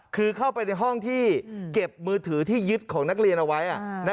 คือเข้าไปในห้องที่เก็บมือถือที่ยึดของนักเรียนเอาไว้